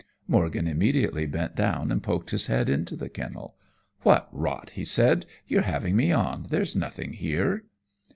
Morgan immediately bent down and poked his head into the kennel. "What rot," he said. "You're having me on, there's nothing here."